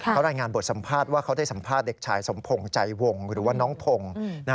เขารายงานบทสัมภาษณ์ว่าเขาได้สัมภาษณ์เด็กชายสมพงศ์ใจวงหรือว่าน้องพงศ์